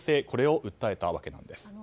これを訴えた訳です。